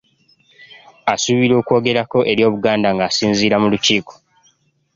Asuubirwa okwogera ko eri Obuganda ng'asinziira mu Lukiiko